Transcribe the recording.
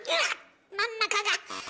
真ん中が！